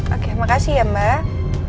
oke makasih ya mbak